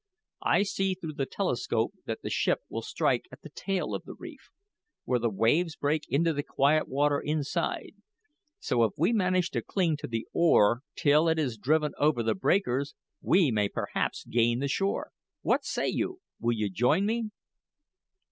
I see through the telescope that the ship will strike at the tail of the reef, where the waves break into the quiet water inside; so if we manage to cling to the oar till it is driven over the breakers, we may perhaps gain the shore. What say you? Will you join me?"